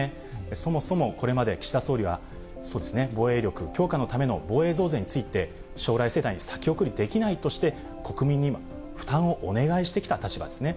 そもそもこれまで岸田総理は、防衛力強化のための防衛増税について、将来世代に先送りできないとして、国民に負担をお願いしてきた立場ですね。